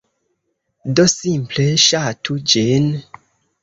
Do simple, ŝatu ĝin.